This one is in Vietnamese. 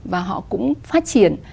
và họ cũng phát triển